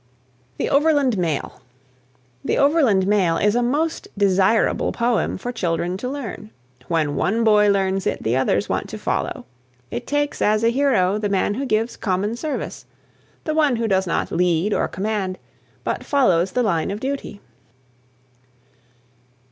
THE OVERLAND MAIL. "The Overland Mail" is a most desirable poem for children to learn. When one boy learns it the others want to follow. It takes as a hero the man who gives common service the one who does not lead or command, but follows the line of duty.